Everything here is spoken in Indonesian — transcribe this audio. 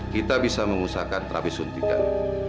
kita bisa mengusahakan terapi suntikan